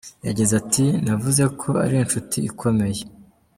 Yagize ati “Navuze ko ari inshuti ikomeye.